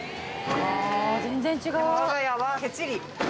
あ全然違う。